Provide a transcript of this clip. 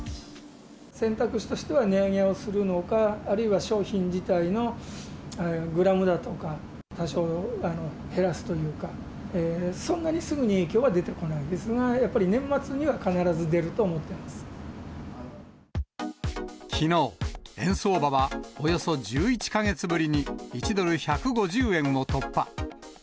選択肢としては値上げをするのか、あるいは商品自体のグラムだとか、多少減らすというか、そんなにすぐに影響は出てこないですが、やっぱり年末には必ず出きのう、円相場は、およそ１１か月ぶりに１ドル１５０円を突破。